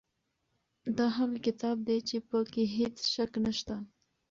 دا هغه کتاب دی چې په کې هیڅ شک نشته.